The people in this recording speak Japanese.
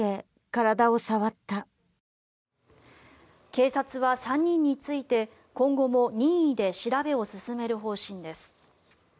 警察は３人について今後も任意で調べを進める方針です。